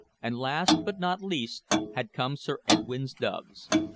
And last, but not least, had come Sir Edwyn's doves.